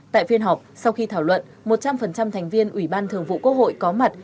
tại phiên họp sau khi thảo luận một trăm linh thành viên ủy ban thường vụ quốc hội có mặt